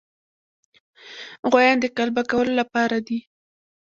غوایان د قلبه کولو لپاره دي.